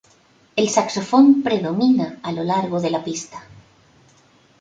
El saxofón predomina a lo largo de la pista.